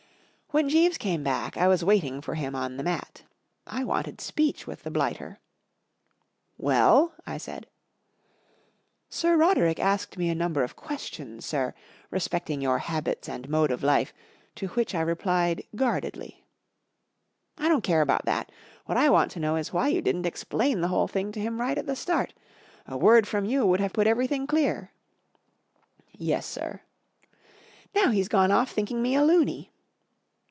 W HEN Jeeves came back, I was waiting for him on the mat. I w'anted speech with the blighter. 44 Well ?" I said. 44 Sir Roderick asked me a number of questions, sir, respecting your habits and mode of life, to which I replied guardedly." 44 I don't care about that. What I want to know is why vou didn't explain the whole thing to him right at the start ? A word llNIVERSITY Of MICHIGAN P, G, Wodeliouse ^39 /) from you would have put everything dear." " Yes, sir/ 1 +r Now he's gone off thinking me a looney.